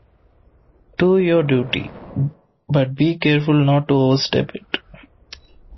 Do your duty, but be careful not to overstep it.